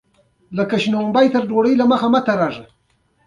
ښوونځی ماشومانو ته اخلاق ورزده کوي.